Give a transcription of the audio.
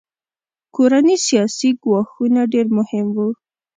کورني سیاسي ګواښونه ډېر مهم وو.